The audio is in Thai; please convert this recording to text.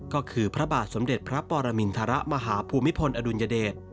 ก็คือพระบาทสมเด็จพระปรมินทรมาหาภูมิพลอดุลยเดช